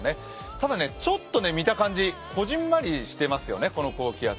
ただ、ちょっと見た感じこぢんまりしていますにね、この高気圧。